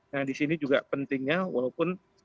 nah di sini juga pentingnya walaupun